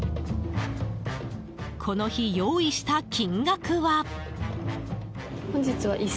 この日、用意した金額は。